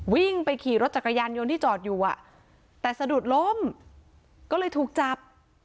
วิ่งไปขี่รถจักรยานยนต์ที่จอดอยู่อ่ะแต่สะดุดล้มก็เลยถูกจับ